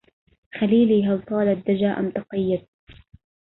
خليلي هل طال الدجى أم تقيدت